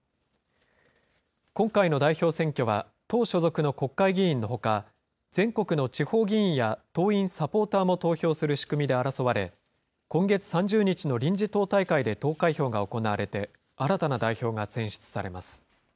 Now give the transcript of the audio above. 今回の代表選挙は党所属の国会議員のほか、全国の地方議員や党員・サポーターも投票する仕組みで争われ、今月３０日の臨時党大会で投開票が行われて、新たな代表が選出さ